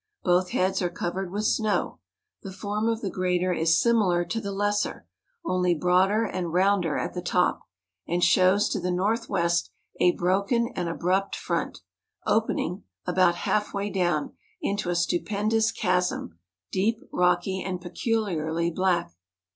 Both heads are covered with snow. The form of the greater is similar to the lesser, only broader and rounder at the top, and shows to the north west a broken and abrupt front, opening, about half way down, into a stupendous chasm, deep, rocky, and peculiarly black.